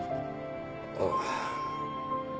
ああ。